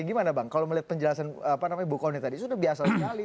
gimana bang kalau melihat penjelasan bu kony tadi sudah biasa sekali